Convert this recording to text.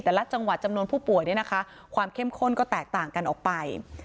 แต่ละจังหวัดจำนวนผู้ป่วยเนี่ยนะคะความเข้มข้นก็แตกต่างกันออกไป